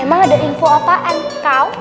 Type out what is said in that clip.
emang ada info apaan kau